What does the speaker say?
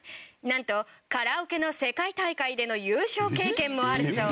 なんとカラオケの世界大会での優勝経験もあるそう。